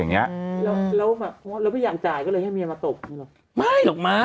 แล้วพี่อยากจ่ายก็เลยให้เมียมาตบ